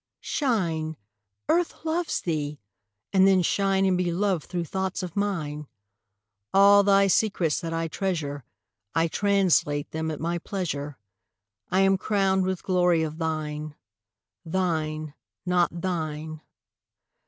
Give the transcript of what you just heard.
Shine, Earth loves thee! And then shine And be loved through thoughts of mine. All thy secrets that I treasure I translate them at my pleasure. I am crowned with glory of thine. Thine, not thine.